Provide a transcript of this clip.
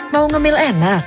mau nge mail enak